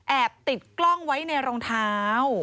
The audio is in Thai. ติดกล้องไว้ในรองเท้า